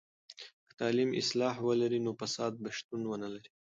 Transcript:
که تعلیم اصلاح ولري، نو فساد به شتون ونلري.